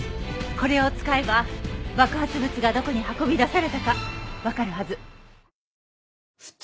これを使えば爆発物がどこに運び出されたかわかるはず。